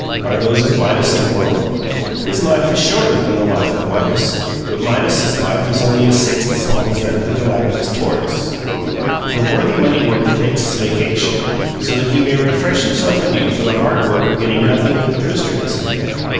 Are those of Midas immortal? His life is shorter than the life of Midas, but Midas's life is only a sixth as long as that of the Galapagos tortoise. The worthy money worker takes his vacation so that he may refresh himself anew for the hard work of getting nothing that the rooster doesn't get.